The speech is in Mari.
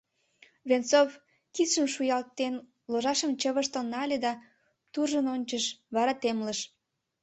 Венцов, кидшым шуялтен, ложашым чывыштал нале да туржын ончыш, вара темлыш.